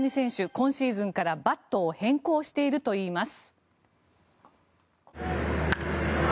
今シーズンからバットを変更しているといいます。